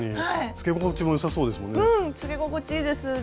つけ心地もよさそうですもんね。